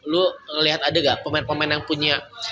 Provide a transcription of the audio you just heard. lu ngelihat ada gak pemain pemain yang punya